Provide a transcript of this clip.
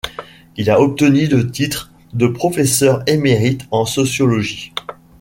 Il a obtenu le titre de professeur émérite en sociologie.